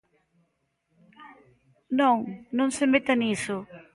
Non, non se meta niso.